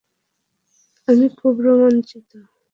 আমি খুব রোমাঞ্চিত।